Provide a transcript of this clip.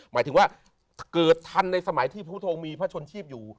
หมายถึงว่าเกิดทันในสมัยที่พระองค์มีพระชนชีพอยู่